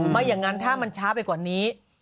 ไม่อย่างนั้นถ้ามันช้าไปกว่านี้